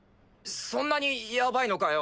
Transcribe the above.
そんなにやばいのかよ？